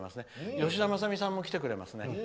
吉田政美さんも来てくれますね。